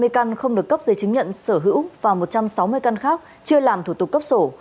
hai mươi căn không được cấp giấy chứng nhận sở hữu và một trăm sáu mươi căn khác chưa làm thủ tục cấp sổ